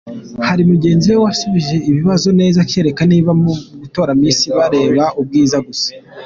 Hari mugenzi we wasubije ibibazo neza kereka niba mu gutora Miss bareba ubwiza gusa.